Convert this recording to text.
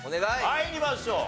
参りましょう。